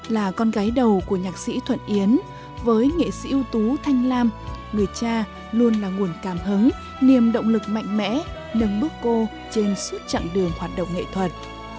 là con gái đầu của nhạc sĩ thuận yến với nghệ sĩ ưu tú thanh lam người cha luôn là nguồn cảm hứng niềm động lực mạnh mẽ nâng bước cô trên suốt chặng đường hoạt động nghệ thuật